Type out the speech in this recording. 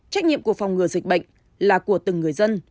trách nhiệm của phòng ngừa dịch bệnh là của từng người dân